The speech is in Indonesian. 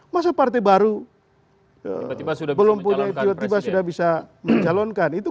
masa partai baru tiba tiba sudah bisa mencalonkan presiden